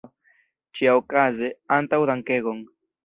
Ĉiaokaze, antaŭdankegon!